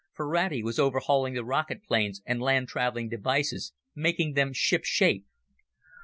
Ferrati was overhauling the rocket planes and land traveling devices, making them shipshape.